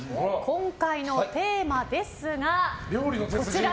今回のテーマがこちら。